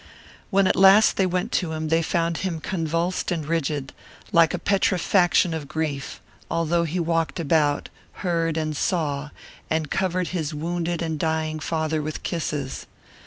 When at last they went to him they found him convulsed and rigid, like a petrifaction of grief; although he walked about, heard and saw, and covered his wounded and dying father with kisses.